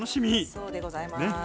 そうでございます。